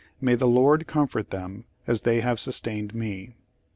May the Lord comfort them as they have sustained me.